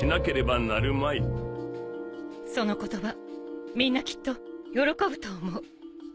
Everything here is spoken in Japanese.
その言葉みんなきっと喜ぶと思う。